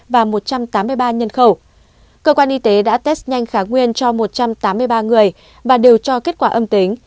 và một trăm tám mươi ba nhân khẩu cơ quan y tế đã test nhanh kháng nguyên cho một trăm tám mươi ba người và đều cho kết quả âm tính